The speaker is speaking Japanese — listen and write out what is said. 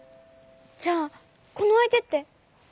じゃあこのあいてって。